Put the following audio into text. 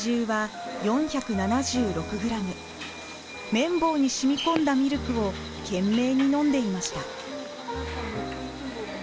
綿棒に染み込んだミルクを懸命に飲んでいました。